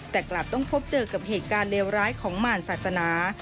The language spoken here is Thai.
แต่กลับต้องพบเจอกับเหตุการณ์เลวร้ายของหมารศาสนา